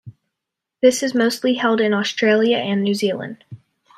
This is mostly held in Australia and New Zealand.